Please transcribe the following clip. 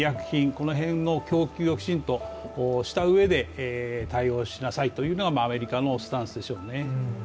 この辺の供給をきちんとしたうえで対応しなさいというのがアメリカのスタンスでしょうね。